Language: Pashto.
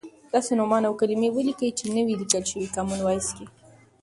داسې نومان او کلیمې ولیکئ چې نه وې لیکل شوی کامن وایس کې.